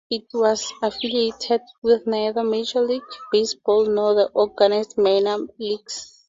It was affiliated with neither Major League Baseball nor the organized minor leagues.